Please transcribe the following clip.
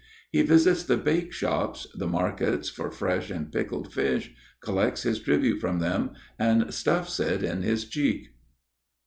He visits the bake shops, the markets for fresh and pickled fish, collects his tribute from them, and stuffs it in his cheek.